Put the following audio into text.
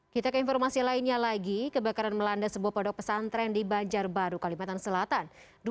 kita ke informasi lainnya lagi kebakaran melanda sebuah pondok pesantren di banjarbaru kalimantan selatan